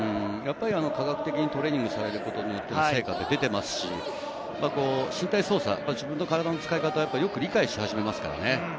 科学的にトレーニングされるようで、成果が出ていますし、身体操作、自分の体の使い方を理解しますからね。